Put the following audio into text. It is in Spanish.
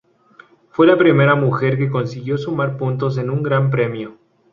Fue la primera mujer que consiguió sumar puntos en un Gran Premio.